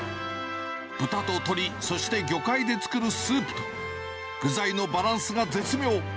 豚と鶏、そして魚介で作るスープと、具材のバランスが絶妙。